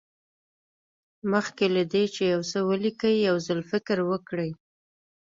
مخکې له دې چې یو څه ولیکئ یو ځل فکر وکړئ.